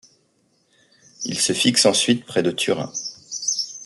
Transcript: Il se fixe ensuite près de Turin.